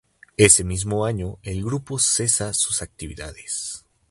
Ese mismo año, el grupo cesa sus actividades.